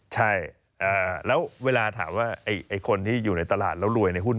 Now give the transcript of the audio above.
ใช่แล้วเวลาถามว่าคนที่อยู่ในตลาดแล้วรวยในหุ้น